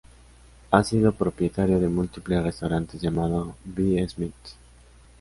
Ha sido propietaria de múltiples restaurantes llamados B. Smith.